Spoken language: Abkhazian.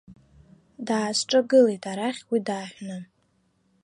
Даасҿагылеит арахь уи дааҳәны.